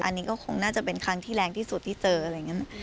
อันนี้ก็คงน่าจะเป็นครั้งที่แรงที่สุดที่เจออะไรอย่างนี้